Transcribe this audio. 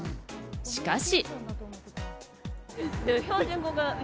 しかし。